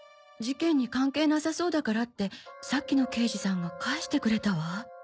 事件に関係なさそうだからってさっきの刑事さんが返してくれたわ。